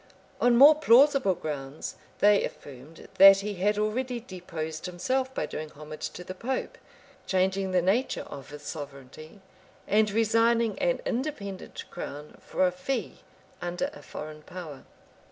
On more plausible grounds, they affirmed, that he had already deposed himself by doing homage to the pope, changing the nature of his sovereignty, and resigning an independent crown for a fee under a foreign power.